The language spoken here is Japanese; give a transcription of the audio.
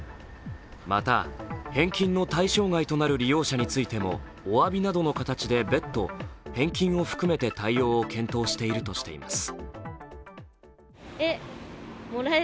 また、返金の対象外となる利用者についてもおわびなどの形で別途返金を含めて対応を検討しているとしています。